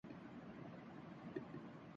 وفادار کتے کی کہانی پر مبنی فلم کا ٹریلر ریلیز